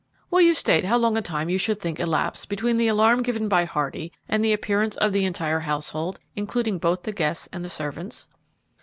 "Will you state how long a time you should think elapsed between the alarm given by Hardy and the appearance of the entire household, including both the guests and the servants?"